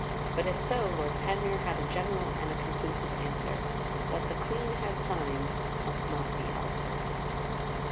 But, if so, Lord Panmure had a general and a conclusive answer. What the Queen had signed must not be altered.